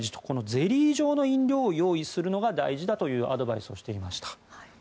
このゼリー状の飲料を用意するのが大事だというアドバイスをしていました。